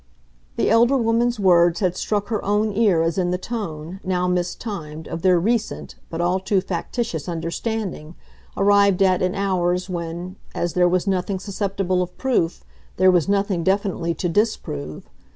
The elder woman's words had struck her own ear as in the tone, now mistimed, of their recent, but all too factitious understanding, arrived at in hours when, as there was nothing susceptible of proof, there was nothing definitely to disprove.